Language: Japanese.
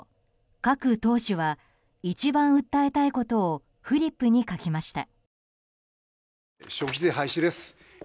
各党首は一番訴えたいことをフリップに書きました。